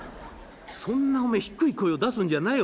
そんなおめえ低い声を出すんじゃない。